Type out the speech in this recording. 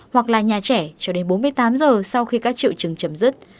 hoặc là nhà trẻ cho đến bốn mươi tám giờ sau khi các triệu chứng chấm dứt